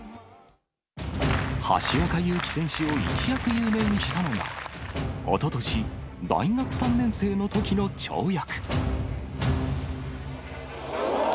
橋岡優輝選手を一躍有名にしたのが、おととし、大学３年生のときの跳躍。